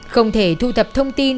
không thể thu thập thông tin